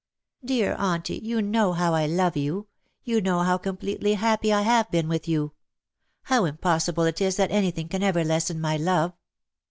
^' ''Dear Auntie, you know how I love you; you know how completely happy I have been with you — how impossible it is that anything can ever lessen my love.